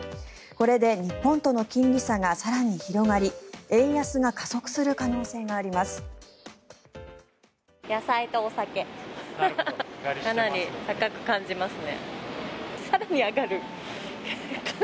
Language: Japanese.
これで日本との金利差が更に広がり円安が加速する可能性があります。